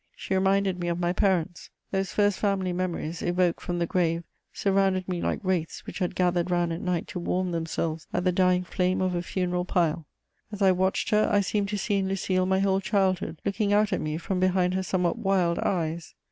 She reminded me of my parents: those first family memories, evoked from the grave, surrounded me like wraiths which had gathered round at night to warm themselves at the dying flame of a funeral pile. As I watched her, I seemed to see in Lucile my whole childhood, looking out at me from behind her somewhat wild eyes.